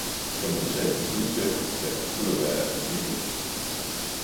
for nu sagde de du til ham, da han skulle være af familien.